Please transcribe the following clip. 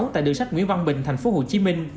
tại đường sách nguyễn văn bình tp hcm